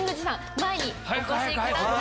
前にお越しください。